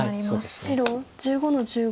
白１５の十五。